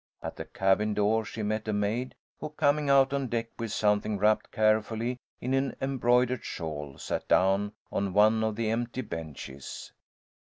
At the cabin door she met a maid, who, coming out on deck with something wrapped carefully in an embroidered shawl, sat down on one of the empty benches.